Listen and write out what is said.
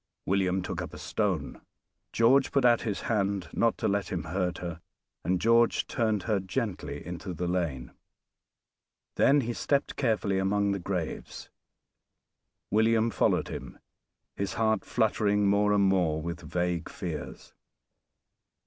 William took up a stone. George put out his hand not to let him hurt her, and George turned her gently into the lane; then he stepped carefully among the graves. William followed him, his heart fluttering more and more with vague fears.